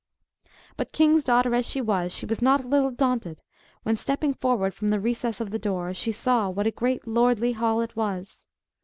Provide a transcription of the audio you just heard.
But, king's daughter as she was, she was not a little daunted when, stepping forward from the recess of the door, she saw what a great lordly hall it was.